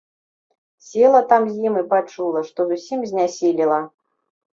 Села там з ім і пачула, што зусім знясілела.